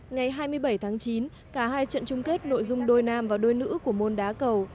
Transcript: ngày hai mươi bảy tháng chín cả hai trận chung kết nội dung đôi nam và đôi nữ của môn đá cầu